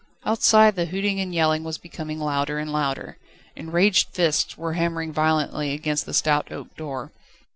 Outside the hooting and yelling was becoming louder and louder. Enraged fists were hammering violently against the stout oak door.